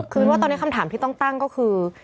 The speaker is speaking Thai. คือว่าตอนนี้คำถามที่ต้องตั้งก็คือ